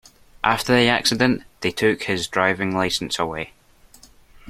After the accident, they took his driving license away.